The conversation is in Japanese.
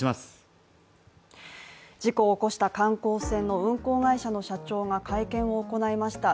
事故を起こした観光船の運航会社の社長が会見を行いました。